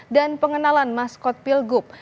pengenalan maskot pilgub